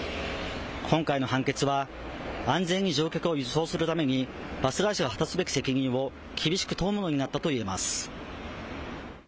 今回の判決は安全に乗客を輸送するためにバス会社が果たすべき責任を厳しく問うものになったといえます。